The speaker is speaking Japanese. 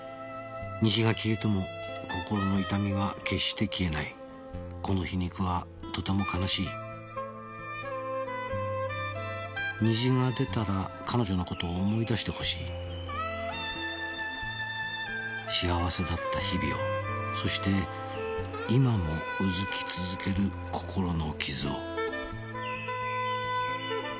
「虹が消えても心の痛みは決して消えない」「この皮肉はとても悲しい」「虹が出たら彼女の事を思い出して欲しい」「幸せだった日々をそして今もうずき続ける心の傷を」